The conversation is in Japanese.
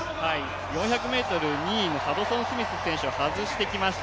４００ｍ２位のハドソンスミス選手を外してきました。